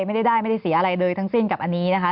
ไม่ได้เสียอะไรเลยทั้งสิ้นกับอันนี้นะคะ